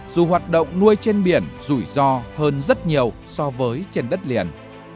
dù hoạt động nuôi trên biển rủi ro hơn rất nhiều so với trên đất liền